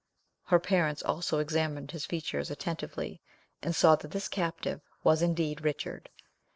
Her parents also examined his features attentively, and saw that this captive was indeed Richard.